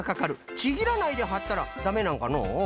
ちぎらないではったらダメなんかのう？